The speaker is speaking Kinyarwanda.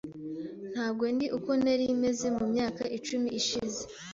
Ntabwo ndi uko nari meze mu myaka icumi ishize .